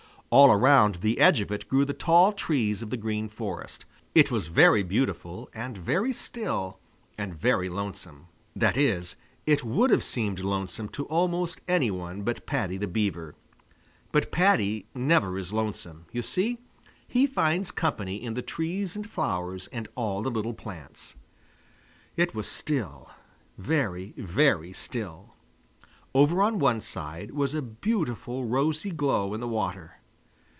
All around the edge of it grew the tall trees of the Green Forest. It was very beautiful and very still and very lonesome. That is, it would have seemed lonesome to almost any one but Paddy the Beaver. But Paddy never is lonesome. You see, he finds company in the trees and flowers and all the little plants. It was still, very, very still. Over on one side was a beautiful rosy glow in the water.